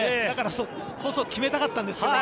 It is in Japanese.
だからこそ、決めたかったです。